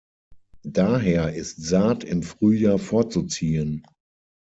Daher ist Saat im Frühjahr vorzuziehen.